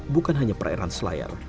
bukan hanya perairan selayar